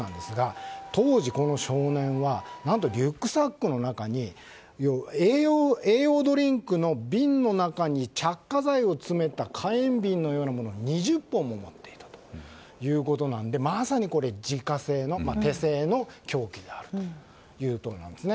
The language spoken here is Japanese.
当時、この少年は何とリュックサックの中に栄養ドリンクの瓶の中に着火剤を詰めた火炎瓶のようなもの２０本も持っていたということなのでまさにこれ、自家製の手製の凶器だということなんです。